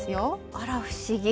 あら不思議。